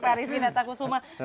pak rizky dataku semua